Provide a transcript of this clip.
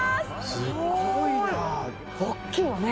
すっごいなあ大きいよね